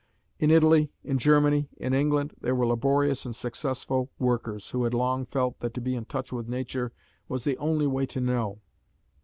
In Italy, in Germany, in England there were laborious and successful workers, who had long felt that to be in touch with nature was the only way to know.